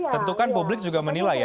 tentukan publik juga menilai